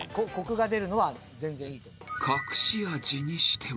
［隠し味にしては］